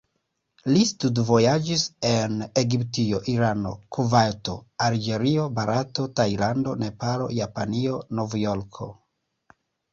Li studvojaĝis en Egiptio, Irano, Kuvajto, Alĝerio, Barato, Tajlando, Nepalo, Japanio, Novjorko.